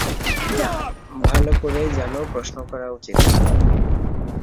ভালো করেই জানো প্রশ্ন করা উচিত না।